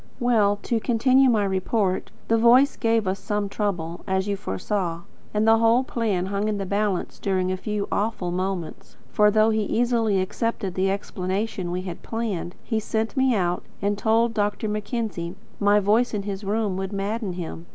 Well, to continue my report. The voice gave us some trouble, as you foresaw, and the whole plan hung in the balance during a few awful moments; for, though he easily accepted the explanation we had planned, he sent me out, and told Dr. Mackenzie my voice in his room would madden him.